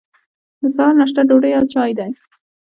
د سهار ناشته ډوډۍ او چای دی.